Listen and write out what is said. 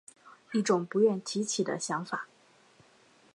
一种不愿提起的想法